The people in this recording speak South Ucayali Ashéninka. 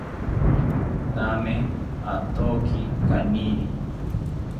Thame athoki kaniri